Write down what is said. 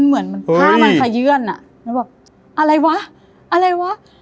เหมือนผ้ามันเคยื่อนนะอะไรวะอะไรวะ